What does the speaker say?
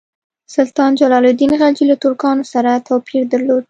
سلطان جلال الدین خلجي له ترکانو سره توپیر درلود.